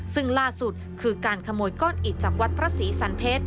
ซึ่งล่าสุดคือการขโมยก้อนอิดจากวัดพระศรีสันเพชร